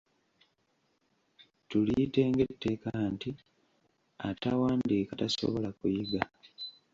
Tuliyite ng'etteeka nti: Atawandiika tasobola kuyiga.